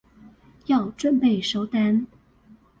要準備收單